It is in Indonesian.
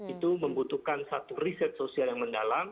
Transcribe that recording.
itu membutuhkan satu riset sosial yang mendalam